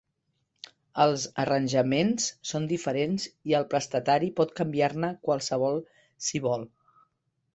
Els arranjaments són diferents i el prestatari pot canviar-ne qualsevol si vol.